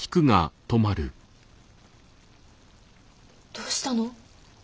どうしたの？